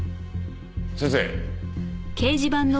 先生。